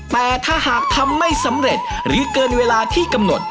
แต่ถ้าหากทำไม่สำเร็จหรือเกินเวลาที่กำหนด